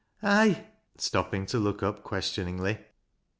" Aye," stopping to look up questioningly.